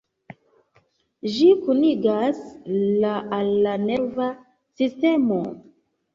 Ĝi kunigas la al la nerva sistemo.